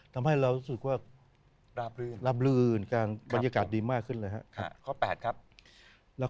ทำให้เรารู้สึกราบลื่นบรรยากาศดีมากขึ้นเลย